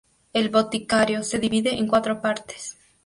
El Boticario se divide en cuatro partes.